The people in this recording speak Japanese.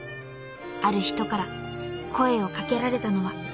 ［ある人から声を掛けられたのは］